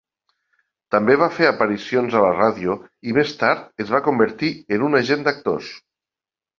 També va fer aparicions a la ràdio i més tard es va convertir en un agent d'actors.